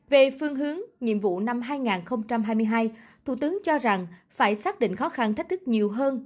về phương hướng nhiệm vụ năm hai nghìn hai mươi hai thủ tướng cho rằng phải xác định khó khăn thách thức nhiều hơn